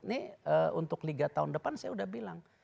ini untuk liga tahun depan saya sudah bilang